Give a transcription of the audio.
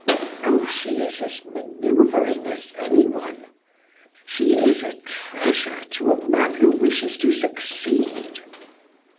Oh, she is as maneuvering as anyone! She is a treasure to a man who wishes to succeed."